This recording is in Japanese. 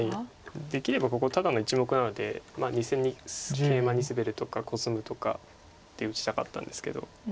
できればここただの１目なので２線にケイマにスベるとかコスむとかで打ちたかったんですけど。